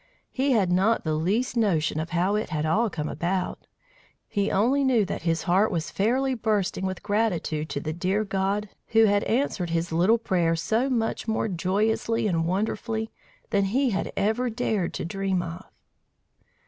He had not the least notion of how it had all come about; he only knew that his heart was fairly bursting with gratitude to the dear God who had answered his little prayer so much more joyously and wonderfully than he had ever dared to dream of!